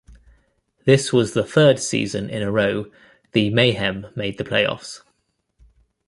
This was the third season in a row the Mayhem made the playoffs.